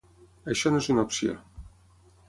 Això no és una opció.